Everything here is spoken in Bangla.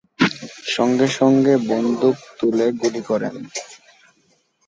সঙ্গে সঙ্গে বন্দুক তুলে গুলি করেন।